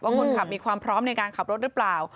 คนขับมีความพร้อมในการขับรถหรือเปล่า